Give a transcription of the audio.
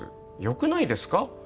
よくないですか？